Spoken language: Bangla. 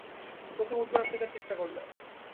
প্রথমে উত্তর আফ্রিকায় চেষ্টা করলে।